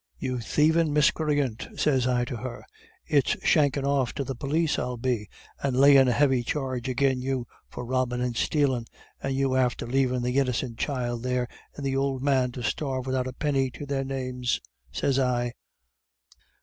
'You thievin' miscreant,' sez I to her, 'it's shankin' off to the pólis I'll be, and layin' a heavy charge agin you for robbin' and stealin', and you after lavin' the innicent child there and th' ould man to starve widout a penny to their names,' sez I.